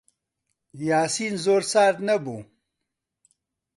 یاسین زۆر سارد نەبوو.